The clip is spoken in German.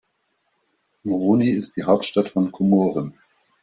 Moroni ist die Hauptstadt von Komoren.